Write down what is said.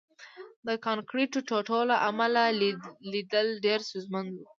د کانکریټو ټوټو له امله لیدل ډېر ستونزمن وو